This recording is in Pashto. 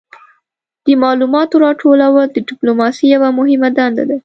د معلوماتو راټولول د ډیپلوماسي یوه مهمه دنده ده